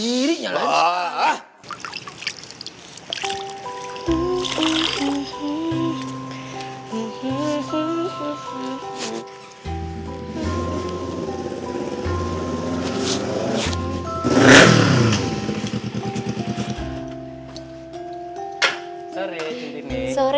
tidak dulu kontar aku sozial